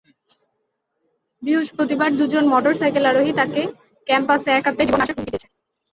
বৃহস্পতিবার দুজন মোটরসাইকেল আরোহী তাঁকে ক্যাম্পাসে একা পেয়ে জীবননাশের হুমকি দিয়েছে।